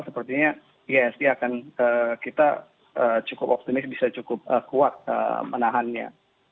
sepertinya ihsg akan kita cukup optimis bisa cukup kuat menahannya